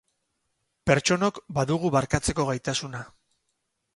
Pertsonok badugu barkatzeko gaitasuna.